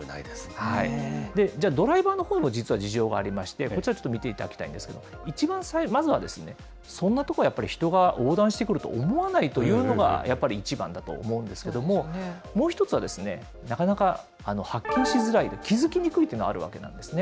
じゃあ、ドライバーのほうも実は事情がありまして、こちらちょっと見ていただきたいんですけれども、まずは、そんな所、やっぱり人が横断してくると思わないというのが、やっぱり一番だと思うんですけども、もう一つはですね、なかなか発見しづらい、気付きにくいっていうのがあるわけなんですね。